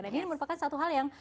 nah ini merupakan satu hal yang